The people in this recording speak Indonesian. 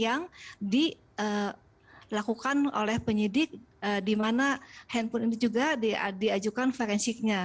yang dilakukan oleh penyidik di mana handphone ini juga diajukan forensiknya